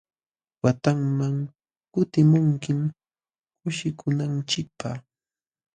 Watanman kutimunkim kushikunanchikpaq.